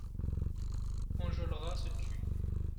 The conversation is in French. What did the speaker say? Enjolras se tut.